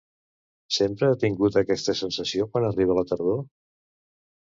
Sempre ha tingut aquesta sensació quan arriba la tardor?